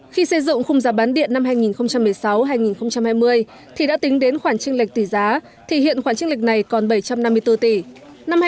khi xây dựng khung giá bán điện năm hai nghìn một mươi sáu hai nghìn hai mươi thì đã tính đến khoản trinh lệch tỷ giá thì hiện khoản trích lịch này còn bảy trăm năm mươi bốn tỷ